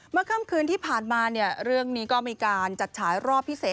ค่ำคืนที่ผ่านมาเนี่ยเรื่องนี้ก็มีการจัดฉายรอบพิเศษ